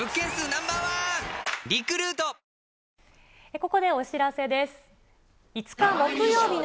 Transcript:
ここでお知らせです。